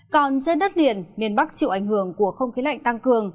còn trên đất liền miền bắc chịu ảnh hưởng của không khí lạnh tăng cường